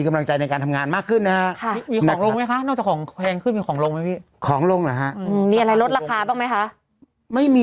เขาต้องจ่ายค่าแรงทั้งต่ำให้ได้นะครับอืม